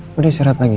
boleh isyarat lagi ya